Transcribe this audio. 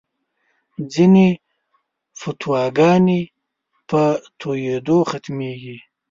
ځینې فتواګانې په تویېدو ختمېږي.